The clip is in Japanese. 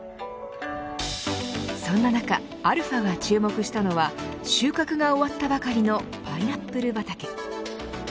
そんな中αが注目したのは収穫が終わったばかりのパイナップル畑。